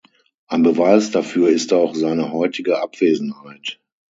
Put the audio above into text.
Ein Beweis dafür ist auch seine heutige Abwesenheit.